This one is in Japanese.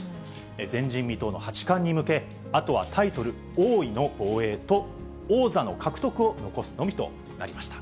前人未到の八冠に向け、あとはタイトル王位の防衛と、王座の獲得を残すのみとなりました。